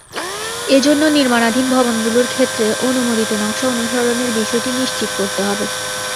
এজন্য নির্মাণাধীন ভবনগুলোর ক্ষেত্রে অনুমোদিত নকশা অনুসরণের বিষয়টি নিশ্চিত করতে হবে।